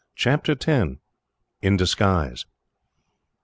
Chapter 10: In Disguise.